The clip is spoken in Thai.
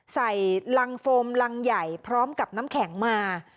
ใส่รังโฟมรังใหญ่พร้อมกับน้ำแข็งมา